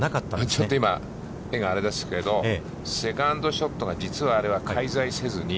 ちょっと今、画があれですけど、セカンドショットが実はあれは介在せずに。